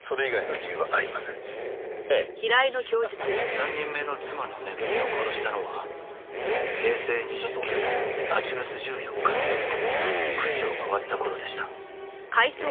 「３人目の妻のめぐみを殺したのは平成２９年８月１４日の夜９時を回った頃でした」